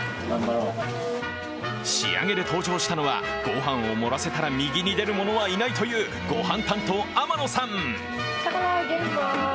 仕上げで登場したのは、ご飯を盛らせたら右に出る者はいないというご飯担当、天野さん。